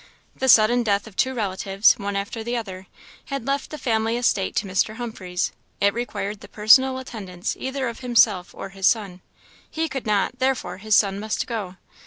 The sudden death of two relatives, one after the other, had left the family estate to Mr. Humphreys; it required the personal attendance either of himself or his son; he could not, therefore his son must, go.